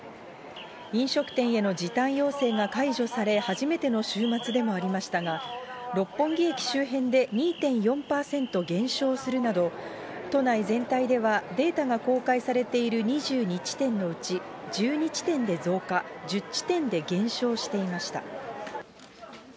飲食店への時短要請が解除され、初めての週末でもありましたが、六本木駅周辺で２．４％減少するなど、都内全体ではデータが公開されている２２地点のうち１２地点で増加、１０地点で減少していました。